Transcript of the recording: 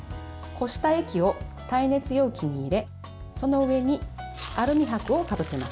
こした液を耐熱容器に入れその上にアルミはくをかぶせます。